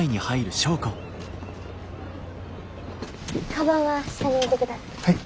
かばんは下に置いてください。